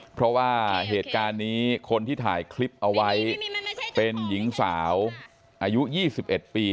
เพราะว่าเหตุการณ์นี้คนที่ถ่ายคลิปเอาไว้เป็นหญิงสาวอายุ๒๑ปี